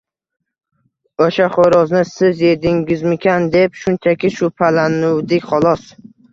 – O‘sha xo‘rozni siz yedingizmikan deb shunchaki shubhalanuvdik, xolos